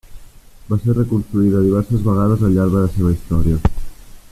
Va ser reconstruïda diverses vegades al llarg de la seva història.